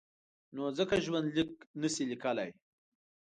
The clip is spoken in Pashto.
نو ځکه ژوندلیک نشي لیکلای.